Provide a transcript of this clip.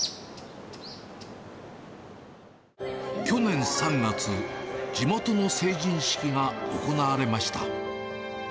去年３月、地元の成人式が行われました。